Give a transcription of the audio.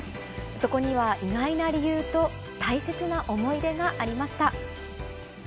そこには意外な理由と、大切な思い出がありました。